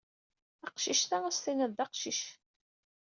Taqcict-a ad s-tiniḍ d aqcic.